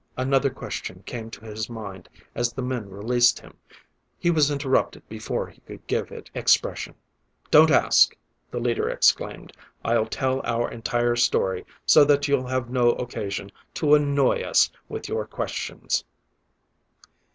Another question came to his mind as the men released him. He was interrupted before he could give it expression. "Don't ask," the leader exclaimed. "I'll tell our entire story so that you'll have no occasion to annoy us with your questions.